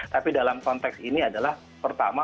tapi dalam konteks ini adalah pertama